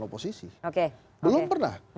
oposisi belum pernah